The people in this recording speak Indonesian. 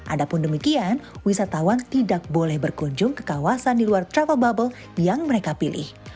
adapun demikian wisatawan tidak boleh berkunjung ke kawasan di luar travel bubble yang mereka pilih